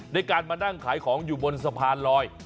ในการมานั่งขายของอยู่บนสะพานลอย